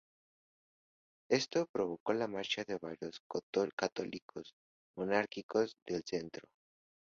Esto provocó la marcha de varios católicos monárquicos del centro.